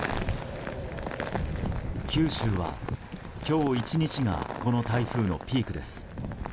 九州は今日１日がこの台風のピークです。